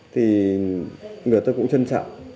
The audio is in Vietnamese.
thì người ta cũng trân trọng